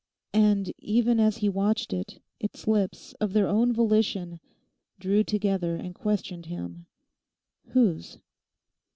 And even as he watched it, its lips, of their own volition, drew together and questioned him—'Whose?